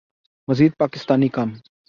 مزید پاکستانی کم